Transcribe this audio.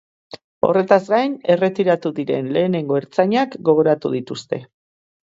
Horretaz gain, erretiratu diren lehenengo ertzainak gogoratu dituzte.